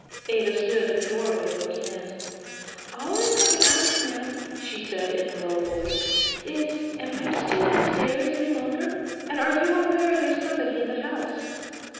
Ada stood in the doorway looking in. 'All I've come to ask, ma'am,' she said in a low voice, 'is, am I to stay downstairs any longer? And are you aware there's somebody in the house?